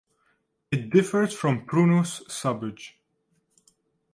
It differs from "Prunus" subg.